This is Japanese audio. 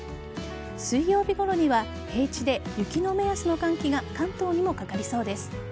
水曜日ごろには平地で、雪の目安の寒気が関東にもかかりそうです。